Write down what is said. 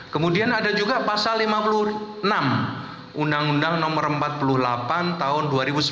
kemudian ada juga pasal lima puluh enam undang undang nomor empat puluh delapan tahun dua ribu sembilan